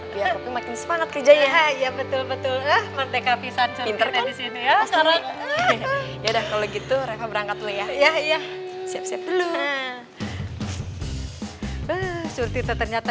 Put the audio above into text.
biar papi makin semangat kerja ya